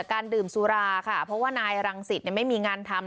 การดื่มสุราค่ะเพราะว่านายรังสิตไม่มีงานทำ